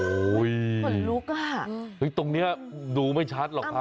โอ้ยไหนลุกอะตรงนี้ดูไม่ชัดหรอกครับ